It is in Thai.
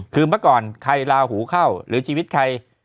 คือเมื่อก่อนใครลาหูเข้าหรือชีวิตใคร